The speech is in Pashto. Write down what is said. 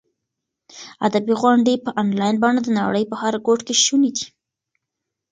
ادبي غونډې په انلاین بڼه د نړۍ په هر ګوټ کې شونې دي.